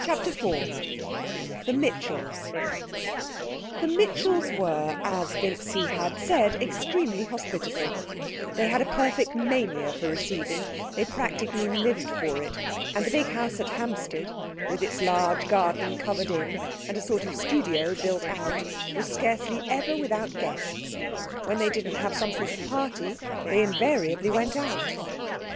CHAPTER IV The Mitchells The Mitchells were, as Vincy had said, extremely hospitable; they had a perfect mania for receiving; they practically lived for it, and the big house at Hampstead, with its large garden covered in, and a sort of studio built out, was scarcely ever without guests. When they didn't have some sort of party they invariably went out.